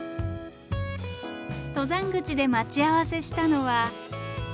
登山口で待ち合わせしたのは。